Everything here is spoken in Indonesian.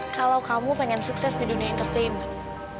kalau kamu pengen sukses di dunia entertainment